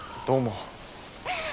どうも。